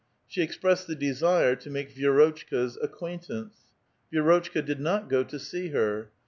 IShe expressed tiie desire to make Vi^rotchka's acquaintance. Vi^rotchka did not go to see her.